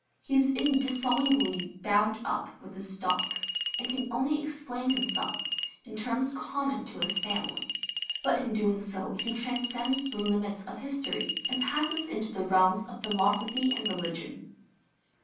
He is indissolubly bound up with his stock, and can only explain himself in terms common to his family; but in doing so he transcends the limits of history, and passes into the realms of philosophy and religion.